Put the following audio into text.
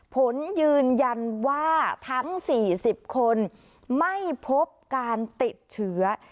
ผลยืนยันว่าทั้ง๔๐คนไม่พบการติดเชื้อ